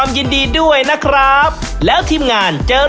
ใครที่ดูรายการเราอยู่แล้วใครที่ออกรายการเรา